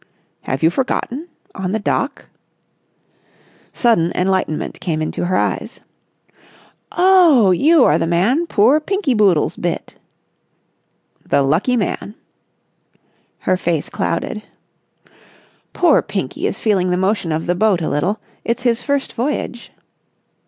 "Have you forgotten? On the dock...." Sudden enlightenment came into her eyes. "Oh, you are the man poor Pinky Boodles bit!" "The lucky man!" Her face clouded. "Poor Pinky is feeling the motion of the boat a little. It's his first voyage."